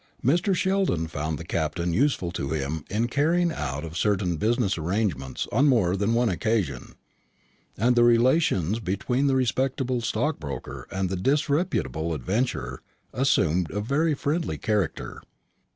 Mr. Sheldon found the Captain useful to him in the carrying out of certain business arrangements on more than one occasion, and the relations between the respectable stockbroker and the disreputable adventurer assumed a very friendly character.